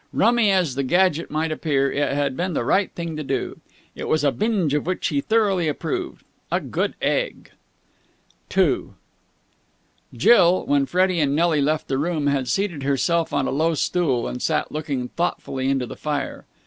Rummy as the gadget might appear, it had been the right thing to do. It was a binge of which he thoroughly approved. A good egg! II Jill, when Freddie and Nelly left the room, had seated herself on a low stool, and sat looking thoughtfully into the fire.